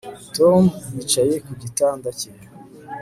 Tom yicaye ku gitanda cye